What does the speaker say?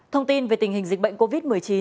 thông tin về tình hình dịch bệnh covid một mươi chín